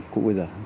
cũ bây giờ